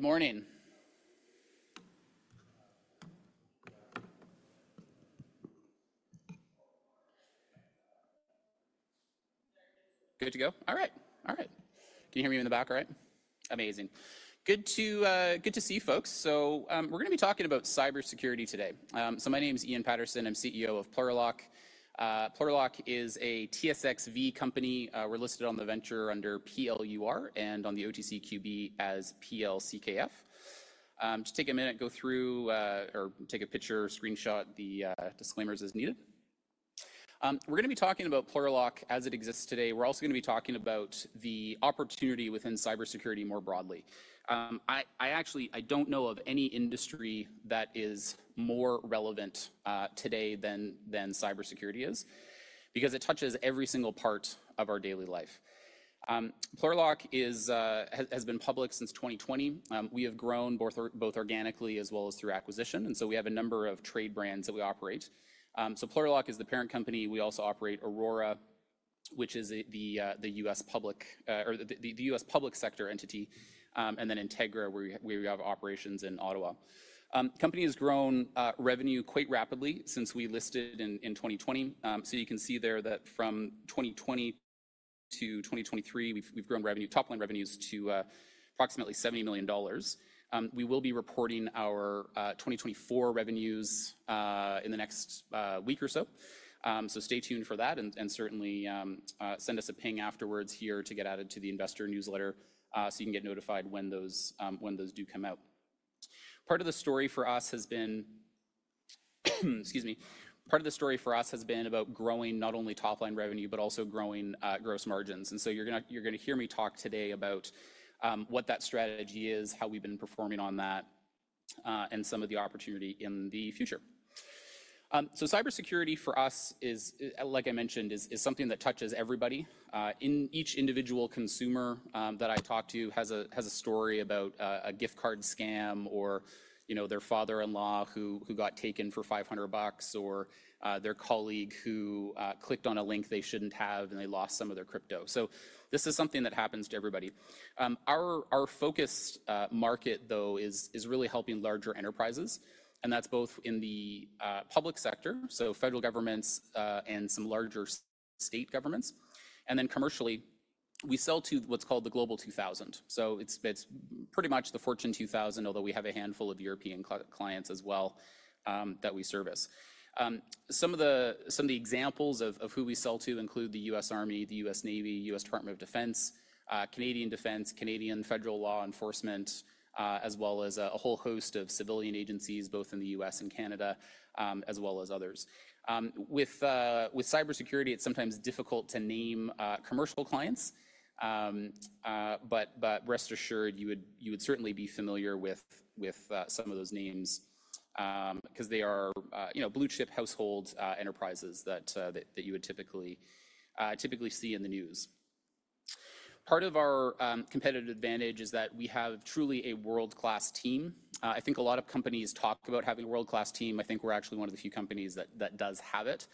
Morning. Good to go? All right. All right. Can you hear me in the back? All right. Amazing. Good to see folks. We're going to be talking about cybersecurity today. My name is Ian Paterson. I'm CEO of Plurilock. Plurilock is a TSXV company. We're listed on the venture under PLUR and on the OTCQB as PLCKF. Just take a minute, go through, or take a picture, screenshot the disclaimers as needed. We're going to be talking about Plurilock as it exists today. We're also going to be talking about the opportunity within cybersecurity more broadly. I actually don't know of any industry that is more relevant today than cybersecurity is, because it touches every single part of our daily life. Plurilock has been public since 2020. We have grown both organically as well as through acquisition. We have a number of trade brands that we operate. Plurilock is the parent company. We also operate Aurora, which is the U.S. public sector entity, and then Integra, where we have operations in Ottawa. The company has grown revenue quite rapidly since we listed in 2020. You can see there that from 2020 to 2023, we have grown revenue, top line revenues to approximately $70 million. We will be reporting our 2024 revenues in the next week or so. Stay tuned for that. Certainly send us a ping afterwards here to get added to the investor newsletter so you can get notified when those do come out. Part of the story for us has been—excuse me—part of the story for us has been about growing not only top line revenue, but also growing Gross margins. You're going to hear me talk today about what that strategy is, how we've been performing on that, and some of the opportunity in the future. Cybersecurity for us is, like I mentioned, is something that touches everybody. Each individual consumer that I talk to has a story about a gift card scam or their father-in-law who got taken for $500 or their colleague who clicked on a link they shouldn't have and they lost some of their crypto. This is something that happens to everybody. Our focused market, though, is really helping larger enterprises. That's both in the public sector, so federal governments, and some larger state governments. Commercially, we sell to what's called the Global 2000. It's pretty much the Fortune 2000, although we have a handful of European clients as well that we service. Some of the examples of who we sell to include the U.S. Army, the U.S. Navy, U.S. Department of Defense, Canadian Defense, Canadian Federal Law Enforcement, as well as a whole host of civilian agencies, both in the U.S. and Canada, as well as others. With cybersecurity, it's sometimes difficult to name commercial clients. Rest assured, you would certainly be familiar with some of those names because they are blue-chip household enterprises that you would typically see in the news. Part of our competitive advantage is that we have truly a world-class team. I think a lot of companies talk about having a world-class team. I think we're actually one of the few companies that does have it.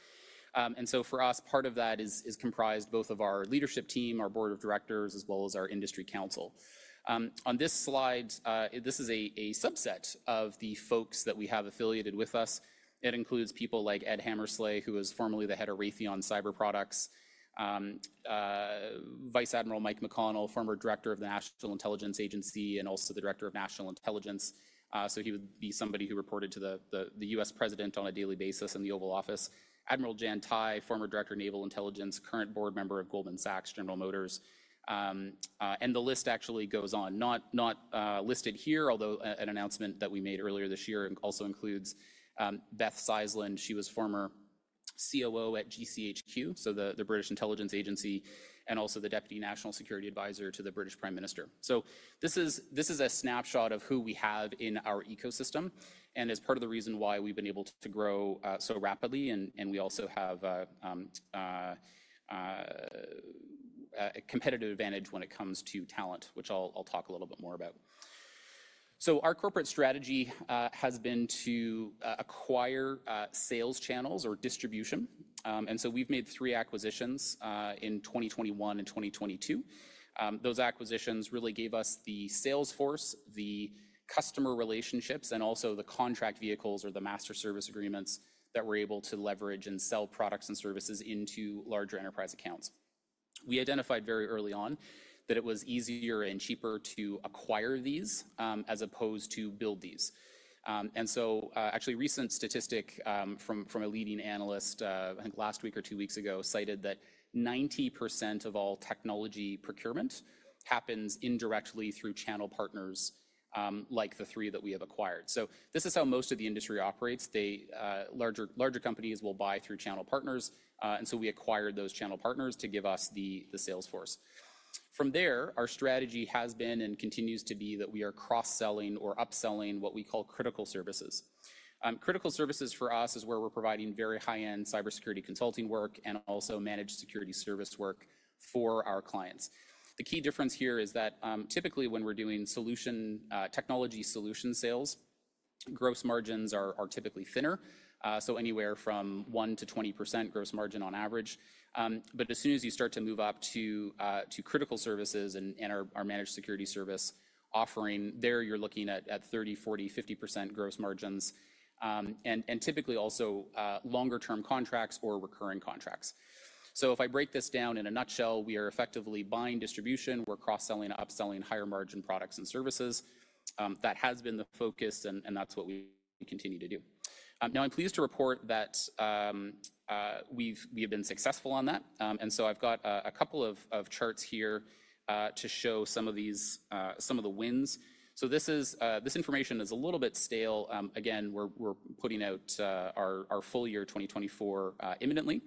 For us, part of that is comprised both of our leadership team, our board of directors, as well as our industry council. On this slide, this is a subset of the folks that we have affiliated with us. It includes people like Ed Hammersley, who was formerly the head of Raytheon Cyber Products, Vice Admiral Mike McConnell, former director of the National Security Agency, and also the director of National Intelligence. He would be somebody who reported to the U.S. president on a daily basis in the Oval Office. Admiral Jan Tai, former director of Naval Intelligence, current board member of Goldman Sachs, General Motors. The list actually goes on. Not listed here, although an announcement that we made earlier this year also includes Beth Seislund. She was former COO at GCHQ, the British intelligence agency, and also the deputy national security advisor to the British Prime Minister. This is a snapshot of who we have in our ecosystem. It is part of the reason why we have been able to grow so rapidly. We also have a competitive advantage when it comes to talent, which I will talk a little bit more about. Our corporate strategy has been to acquire sales channels or distribution. We have made three acquisitions in 2021 and 2022. Those acquisitions really gave us the sales force, the customer relationships, and also the contract vehicles or the master service agreements that we are able to leverage and sell products and services into larger enterprise accounts. We identified very early on that it was easier and cheaper to acquire these as opposed to build these. Actually, a recent statistic from a leading analyst, I think last week or two weeks ago, cited that 90% of all technology procurement happens indirectly through channel partners like the three that we have acquired. This is how most of the industry operates. Larger companies will buy through channel partners. We acquired those channel partners to give us the sales force. From there, our strategy has been and continues to be that we are cross-selling or upselling what we call critical services. Critical services for us is where we're providing very high-end cybersecurity consulting work and also managed security service work for our clients. The key difference here is that typically when we're doing technology solution sales, gross margins are typically thinner, so anywhere from 1% to 20% gross margin on average. As soon as you start to move up to critical services and our managed security service offering, there you're looking at 30%, 40%, 50% Gross margins, and typically also longer-term contracts or recurring contracts. If I break this down in a nutshell, we are effectively buying distribution. We're cross-selling, upselling higher margin products and services. That has been the focus, and that's what we continue to do. Now, I'm pleased to report that we have been successful on that. I have a couple of charts here to show some of the wins. This information is a little bit stale. Again, we're putting out our full year 2024 imminently.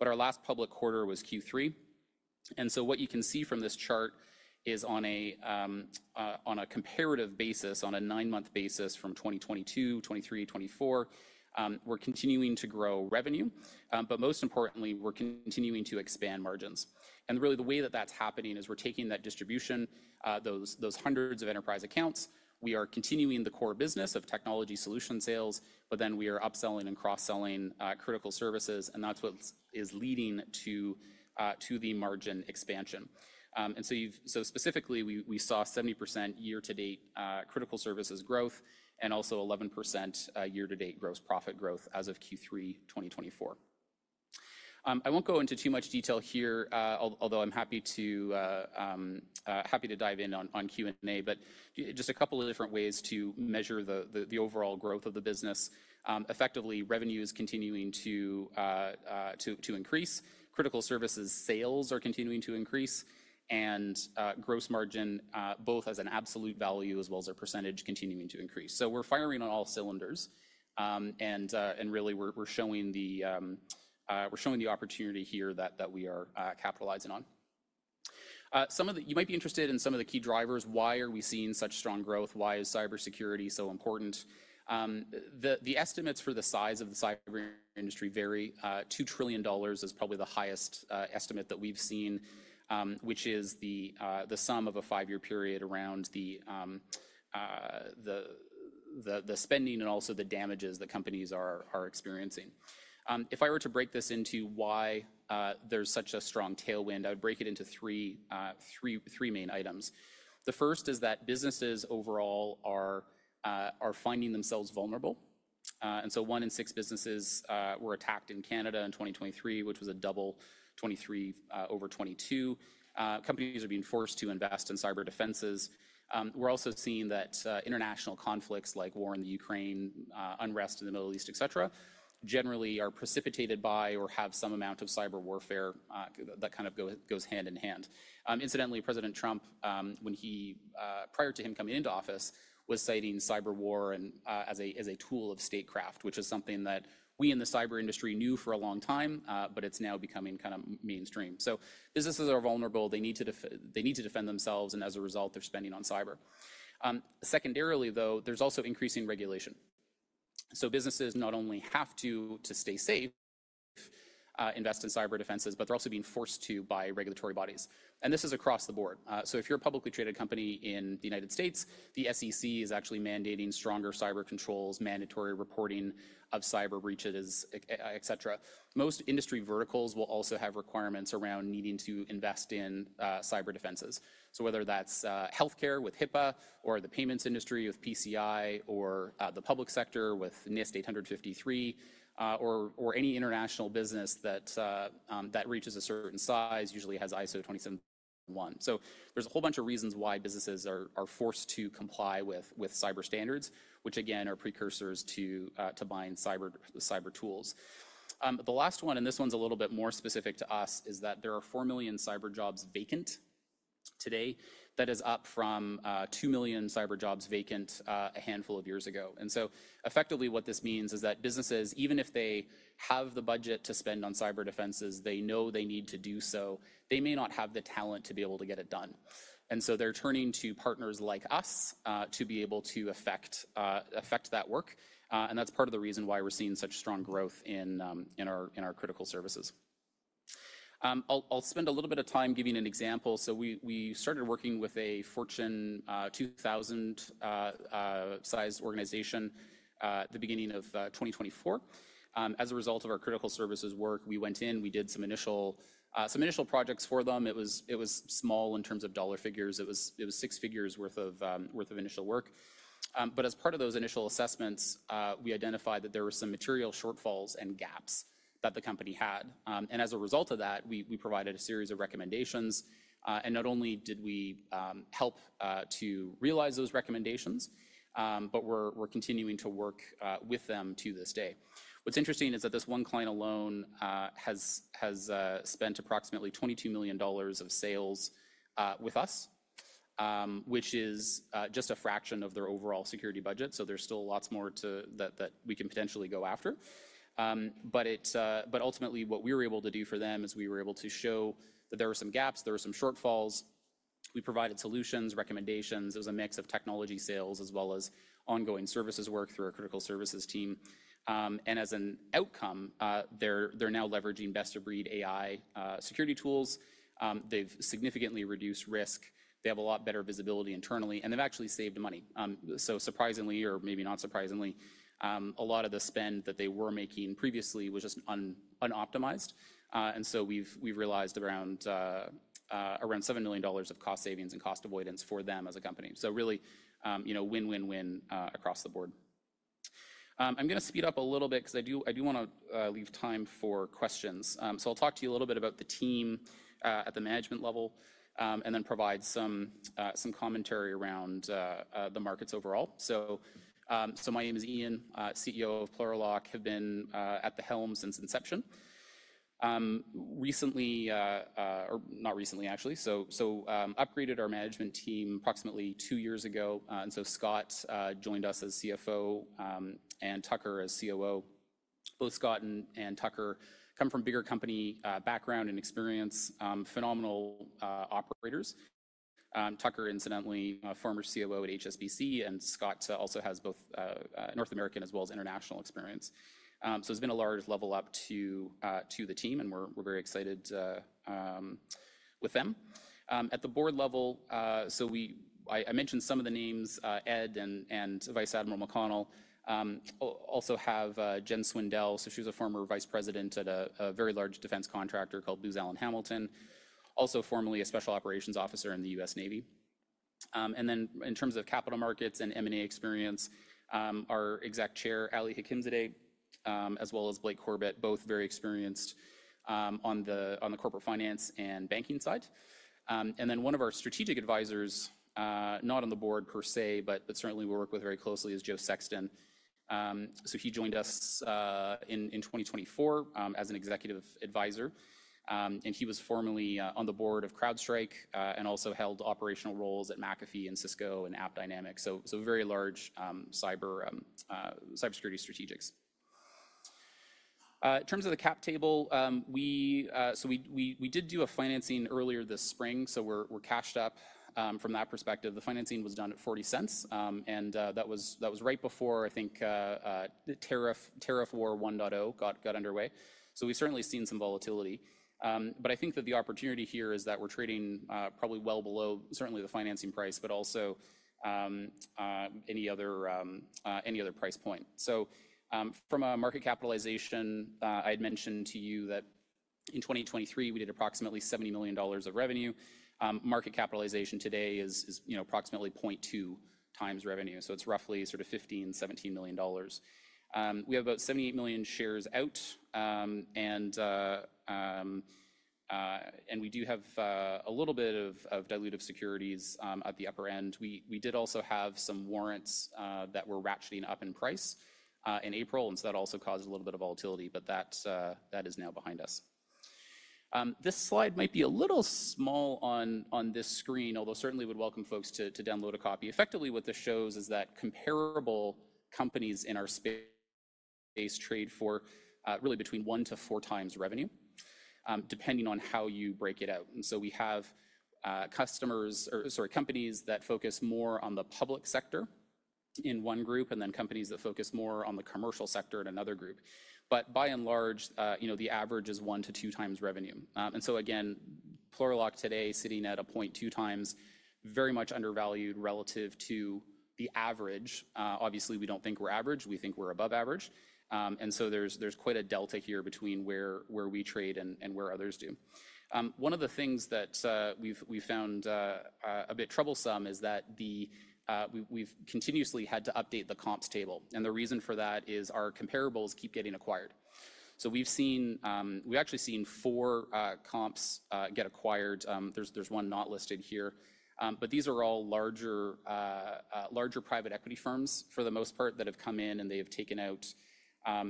Our last public quarter was Q3. What you can see from this chart is on a comparative basis, on a nine-month basis from 2022, 2023, 2024, we're continuing to grow revenue. Most importantly, we're continuing to expand margins. Really, the way that that's happening is we're taking that distribution, those hundreds of enterprise accounts. We are continuing the core business of technology solution sales, but then we are upselling and cross-selling critical services. That is what is leading to the margin expansion. Specifically, we saw 70% year-to-date critical services growth and also 11% year-to-date Gross profit growth as of Q3 2024. I will not go into too much detail here, although I am happy to dive in on Q&A. Just a couple of different ways to measure the overall growth of the business. Effectively, revenue is continuing to increase. Critical services sales are continuing to increase. Gross margin, both as an absolute value as well as a percentage, is continuing to increase. We are firing on all cylinders. We are showing the opportunity here that we are capitalizing on. You might be interested in some of the key drivers. Why are we seeing such strong growth? Why is cybersecurity so important? The estimates for the size of the cyber industry vary. $2 trillion is probably the highest estimate that we've seen, which is the sum of a five-year period around the spending and also the damages that companies are experiencing. If I were to break this into why there's such a strong tailwind, I would break it into three main items. The first is that businesses overall are finding themselves vulnerable. One in six businesses were attacked in Canada in 2023, which was a double 2023 over 2022. Companies are being forced to invest in cyber defenses. We're also seeing that international conflicts like war in Ukraine, unrest in the Middle East, et cetera, generally are precipitated by or have some amount of cyber warfare that kind of goes hand in hand. Incidentally, President Trump, prior to him coming into office, was citing cyber war as a tool of statecraft, which is something that we in the cyber industry knew for a long time, but it is now becoming kind of mainstream. Businesses are vulnerable. They need to defend themselves. As a result, they are spending on cyber. Secondarily, though, there is also increasing regulation. Businesses not only have to stay safe, invest in cyber defenses, but they are also being forced to by regulatory bodies. This is across the board. If you are a publicly traded company in the United States, the SEC is actually mandating stronger cyber controls, mandatory reporting of cyber breaches, et cetera. Most industry verticals will also have requirements around needing to invest in cyber defenses. Whether that's healthcare with HIPAA or the payments industry with PCI or the public sector with NIST 800-53 or any international business that reaches a certain size usually has ISO 27001. There is a whole bunch of reasons why businesses are forced to comply with cyber standards, which again are precursors to buying cyber tools. The last one, and this one's a little bit more specific to us, is that there are 4 million cyber jobs vacant today. That is up from 2 million cyber jobs vacant a handful of years ago. Effectively what this means is that businesses, even if they have the budget to spend on cyber defenses, they know they need to do so. They may not have the talent to be able to get it done. They are turning to partners like us to be able to affect that work. That is part of the reason why we are seeing such strong growth in our critical services. I will spend a little bit of time giving an example. We started working with a Fortune 2000-sized organization at the beginning of 2024. As a result of our critical services work, we went in, we did some initial projects for them. It was small in terms of dollar figures. It was six figures worth of initial work. As part of those initial assessments, we identified that there were some material shortfalls and gaps that the company had. As a result of that, we provided a series of recommendations. Not only did we help to realize those recommendations, but we are continuing to work with them to this day. What's interesting is that this one client alone has spent approximately $22 million of sales with us, which is just a fraction of their overall security budget. There is still lots more that we can potentially go after. Ultimately, what we were able to do for them is we were able to show that there were some gaps, there were some shortfalls. We provided solutions, recommendations. It was a mix of technology sales as well as ongoing services work through our critical services team. As an outcome, they are now leveraging best-of-breed AI security tools. They have significantly reduced risk. They have a lot better visibility internally. They have actually saved money. Surprisingly, or maybe not surprisingly, a lot of the spend that they were making previously was just unoptimized. We have realized around $7 million of cost savings and cost avoidance for them as a company. Really, win-win-win across the board. I'm going to speed up a little bit because I do want to leave time for questions. I'll talk to you a little bit about the team at the management level and then provide some commentary around the markets overall. My name is Ian, CEO of Plurilock. I have been at the helm since inception. Not recently actually, so upgraded our management team approximately two years ago. Scott joined us as CFO and Tucker as COO. Both Scott and Tucker come from bigger company background and experience, phenomenal operators. Tucker, incidentally, a former COO at HSBC, and Scott also has both North American as well as international experience. There's been a large level up to the team, and we're very excited with them. At the board level, I mentioned some of the names, Ed and Vice Admiral McConnell also have Jen Swindell. She was a former vice president at a very large defense contractor called Booz Allen Hamilton, also formerly a special operations officer in the US Navy. In terms of capital markets and M&A experience, our Exec Chair, Ali Hakimzadeh, as well as Blake Corbett, both very experienced on the corporate finance and banking side. One of our strategic advisors, not on the board per se, but certainly we work with very closely, is Joe Sexton. He joined us in 2024 as an executive advisor. He was formerly on the board of CrowdStrike and also held operational roles at McAfee and Cisco and AppDynamics. Very large cybersecurity strategics. In terms of the cap table, we did do a financing earlier this spring. We're cashed up from that perspective. The financing was done at $0.40. That was right before, I think, the tariff war 1.0 got underway. We've certainly seen some volatility. I think that the opportunity here is that we're trading probably well below certainly the financing price, but also any other price point. From a market capitalization, I had mentioned to you that in 2023, we did approximately $70 million of revenue. Market capitalization today is approximately 0.2 times revenue. It's roughly sort of $15-$17 million. We have about 78 million shares out. We do have a little bit of dilutive securities at the upper end. We did also have some warrants that were ratcheting up in price in April. That also caused a little bit of volatility. That is now behind us. This slide might be a little small on this screen, although certainly would welcome folks to download a copy. Effectively, what this shows is that comparable companies in our space trade for really between one to four times revenue, depending on how you break it out. We have companies that focus more on the public sector in one group and then companies that focus more on the commercial sector in another group. By and large, the average is one to two times revenue. Plurilock today sitting at a 0.2 times, very much undervalued relative to the average. Obviously, we do not think we are average. We think we are above average. There is quite a delta here between where we trade and where others do. One of the things that we've found a bit troublesome is that we've continuously had to update the comps table. The reason for that is our comparables keep getting acquired. We've actually seen four comps get acquired. There's one not listed here. These are all larger private equity firms for the most part that have come in and they have taken out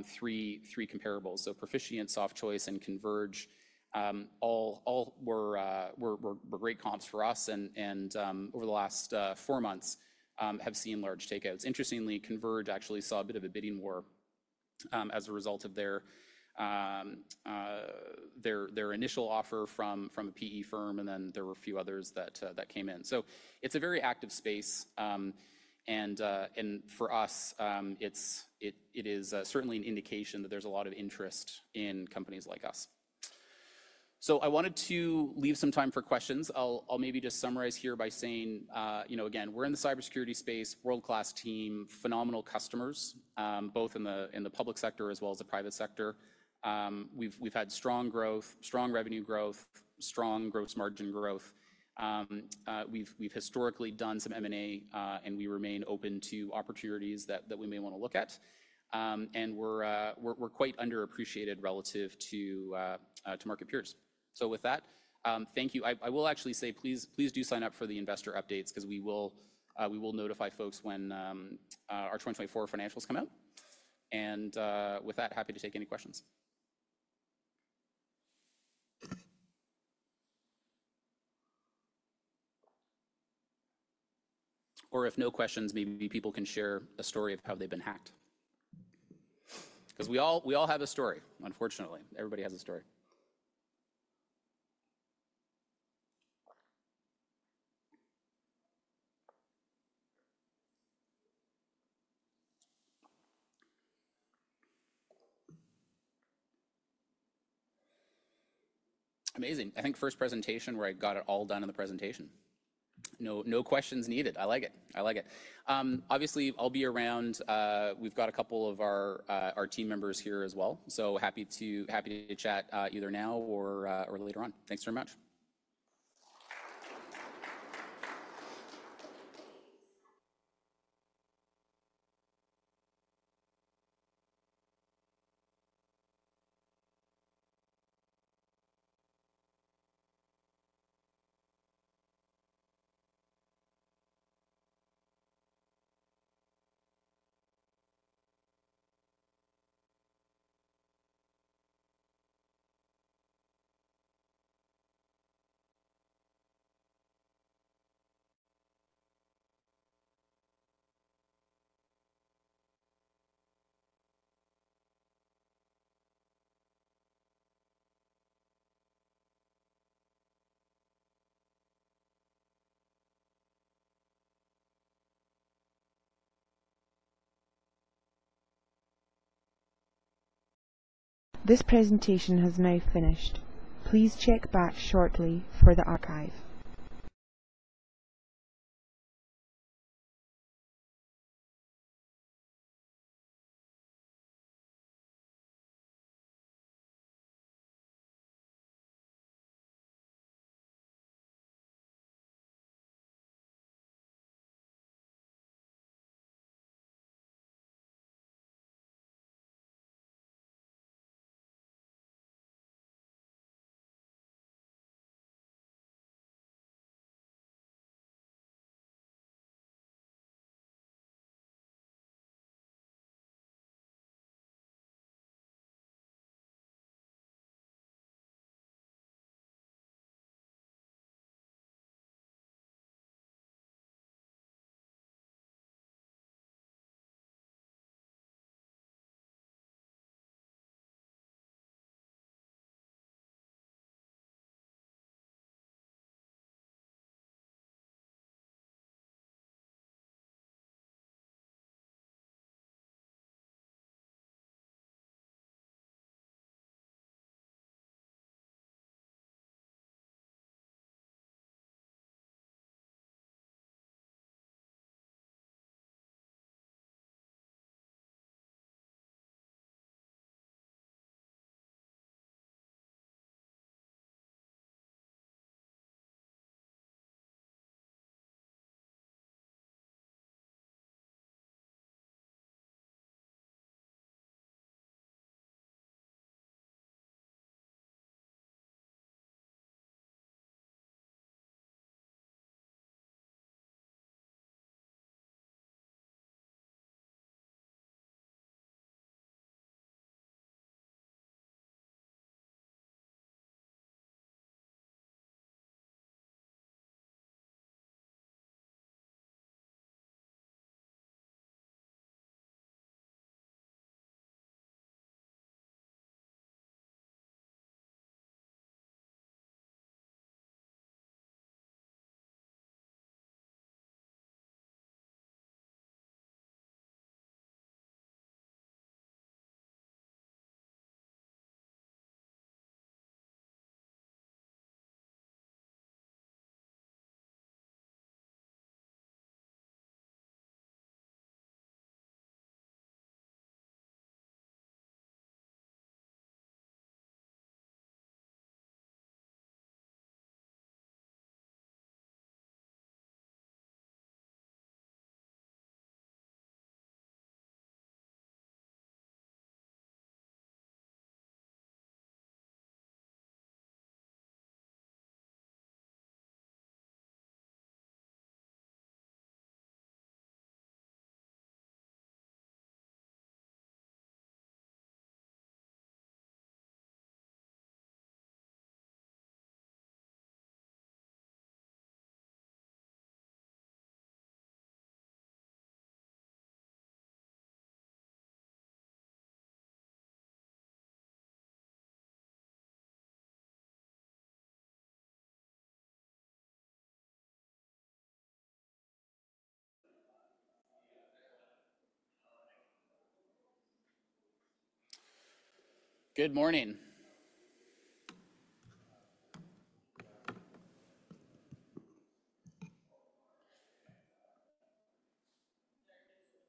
three comparables. Proficience, SoftChoice, and Converge all were great comps for us. Over the last four months, have seen large takeouts. Interestingly, Converge actually saw a bit of a bidding war as a result of their initial offer from a PE firm. There were a few others that came in. It is a very active space. For us, it is certainly an indication that there's a lot of interest in companies like us. I wanted to leave some time for questions. I'll maybe just summarize here by saying, again, we're in the cybersecurity space, world-class team, phenomenal customers, both in the public sector as well as the private sector. We've had strong growth, strong revenue growth, strong gross margin growth. We've historically done some M&A, and we remain open to opportunities that we may want to look at. We're quite underappreciated relative to market peers. With that, thank you. I will actually say, please do sign up for the investor updates because we will notify folks when our 2024 financials come out. With that, happy to take any questions. If no questions, maybe people can share a story of how they've been hacked. Because we all have a story, unfortunately. Everybody has a story. Amazing. I think first presentation where I got it all done in the presentation. No questions needed. I like it. I like it. Obviously, I'll be around. We've got a couple of our team members here as well. Happy to chat either now or later on. Thanks very much. This presentation has now finished. Please check back shortly for the archive. Good morning.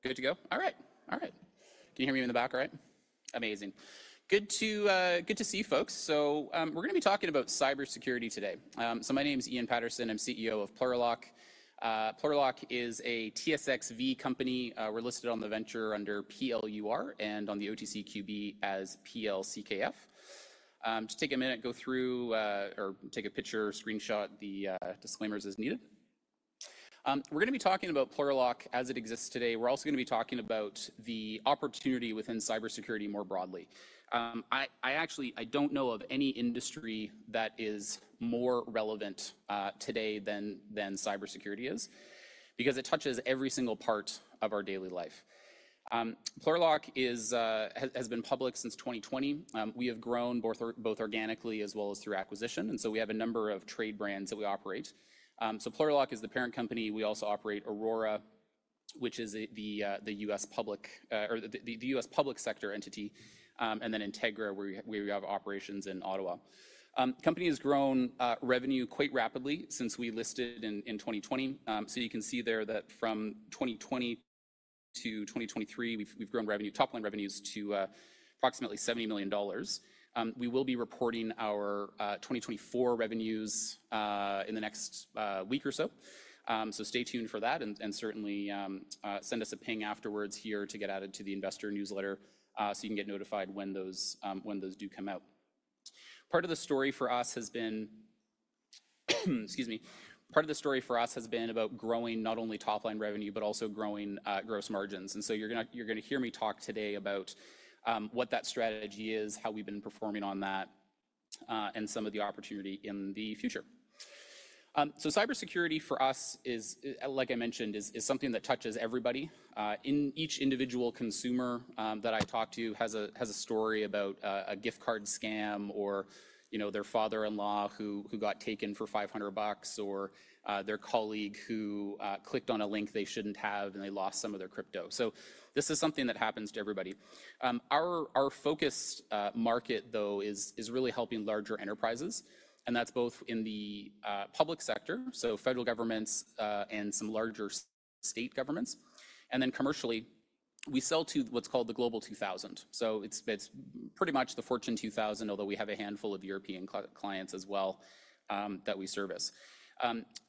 Good to go? All right. All right. Can you hear me in the back all right? Amazing. Good to see folks. We're going to be talking about cybersecurity today. My name is Ian Paterson. I'm CEO of Plurilock. Plurilock is a TSXV company. We're listed on the venture under PLUR and on the OTCQB as PLCKF. Just take a minute, go through or take a picture, screenshot the disclaimers as needed. We're going to be talking about Plurilock as it exists today. We're also going to be talking about the opportunity within cybersecurity more broadly. I actually don't know of any industry that is more relevant today than cybersecurity is because it touches every single part of our daily life. Plurilock has been public since 2020. We have grown both organically as well as through acquisition. We have a number of trade brands that we operate. Plurilock is the parent company. We also operate Aurora, which is the U.S. public sector entity, and then Integra, where we have operations in Ottawa. The company has grown revenue quite rapidly since we listed in 2020. You can see there that from 2020 to 2023, we've grown revenue, top line revenues to approximately $70 million. We will be reporting our 2024 revenues in the next week or so. Stay tuned for that. Certainly send us a ping afterwards here to get added to the investor newsletter so you can get notified when those do come out. Part of the story for us has been, excuse me, part of the story for us has been about growing not only top line revenue, but also growing gross margins. You are going to hear me talk today about what that strategy is, how we have been performing on that, and some of the opportunity in the future. Cybersecurity for us, like I mentioned, is something that touches everybody. Each individual consumer that I talk to has a story about a gift card scam or their father-in-law who got taken for $500 or their colleague who clicked on a link they should not have and they lost some of their crypto. This is something that happens to everybody. Our focus market, though, is really helping larger enterprises. That is both in the public sector, so federal governments and some larger state governments. Commercially, we sell to what is called the Global 2000. It is pretty much the Fortune 2000, although we have a handful of European clients as well that we service.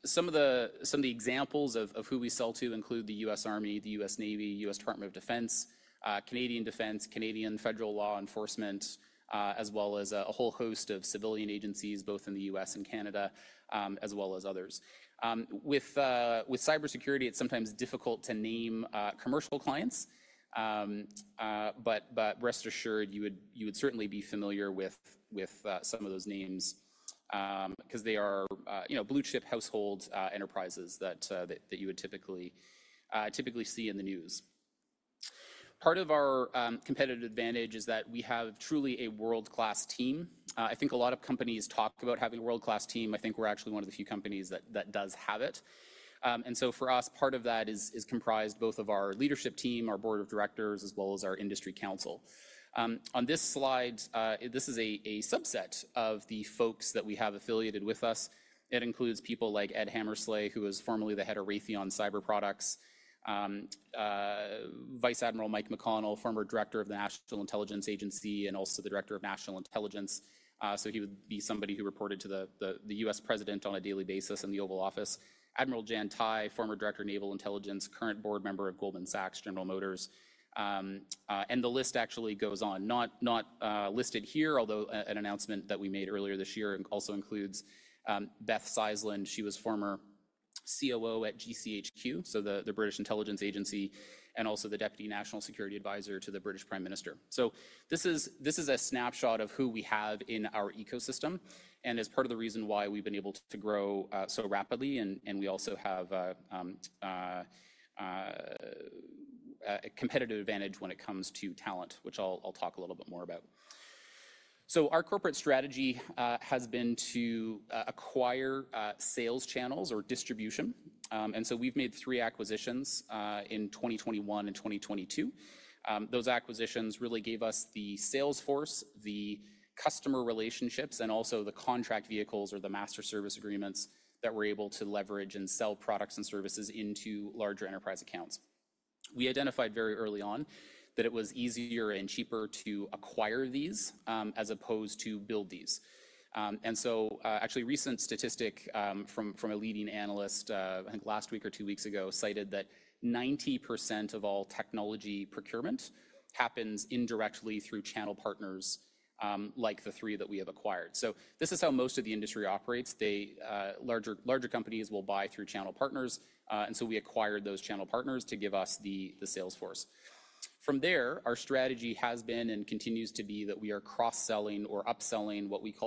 Some of the examples of who we sell to include the U.S. Army, the U.S. Navy, U.S. Department of Defense, Canadian Defense, Canadian Federal Law Enforcement, as well as a whole host of civilian agencies, both in the U.S. and Canada, as well as others. With cybersecurity, it is sometimes difficult to name commercial clients. Rest assured, you would certainly be familiar with some of those names because they are blue-chip household enterprises that you would typically see in the news. Vice Admiral Mike McConnell, former director of the National Security Agency, and also the director of National Intelligence. He would be somebody who reported to the U.S. president on a daily basis in the Oval Office. Admiral Jan Tai, former director of Naval Intelligence, current board member of Goldman Sachs, General Motors. The list actually goes on. Not listed here, although an announcement that we made earlier this year also includes Beth Seislund. She was former COO at GCHQ, so the British intelligence agency, and also the deputy national security advisor to the British Prime Minister. This is a snapshot of who we have in our ecosystem and is part of the reason why we've been able to grow so rapidly. We also have a competitive advantage when it comes to talent, which I'll talk a little bit more about. Our corporate strategy has been to acquire sales channels or distribution. We've made three acquisitions in 2021 and 2022. Those acquisitions really gave us the sales force, the customer relationships, and also the contract vehicles or the master service agreements that we're able to leverage and sell products and services into larger enterprise accounts. We identified very early on that it was easier and cheaper to acquire these as opposed to build these. Actually, a recent statistic from a leading analyst, I think last week or two weeks ago, cited that 90% of all technology procurement happens indirectly through channel partners like the three that we have acquired. This is how most of the industry operates. Larger companies will buy through channel partners. We acquired those channel partners to give us the sales force. From there, our strategy has been and continues to be that we are cross-selling or upselling what we.